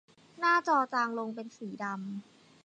หน้าจอจางลงเป็นสีดำ